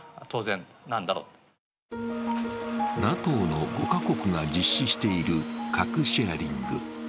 ＮＡＴＯの５カ国が実施している核シェアリング。